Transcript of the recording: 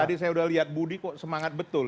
tadi saya udah lihat budi kok semangat betul